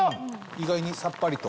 意外にさっぱりと。